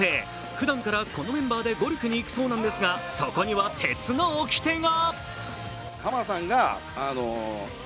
ふだんからこのメンバーでゴルフに行くそうなのですがそこには鉄のおきてが。